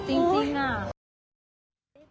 นี่แหละถ้ามันจะออกจริงอ่ะ